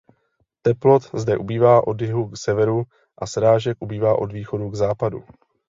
Teplot zde ubývá od jihu k severu a srážek ubývá od východu k západu.